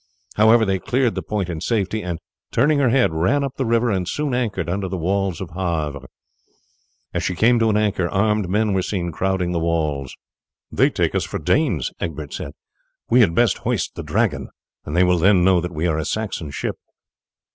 However, they cleared the point in safety, and, turning her head, ran up the river and soon anchored under the walls of Havre. As she came to an anchor armed men were seen crowding the walls. "They take us for Danes," Egbert said. "We had best hoist the Dragon, and they will then know that we are a Saxon ship."